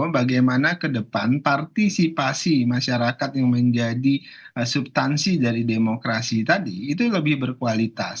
bagaimana ke depan partisipasi masyarakat yang menjadi subtansi dari demokrasi tadi itu lebih berkualitas